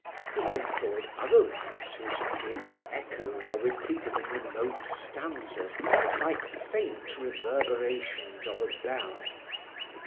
He had employed other rhymes whose dim echoes are repeated in remote stanzas, like faint reverberations of a bell.